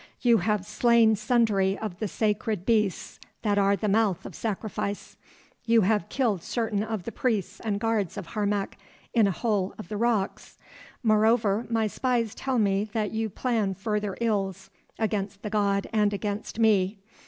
You have slain sundry of the sacred beasts that are the mouth of sacrifice, you have killed certain of the priests and guards of Harmac in a hole of the rocks. Moreover my spies tell me that you plan further ills against the god and against me.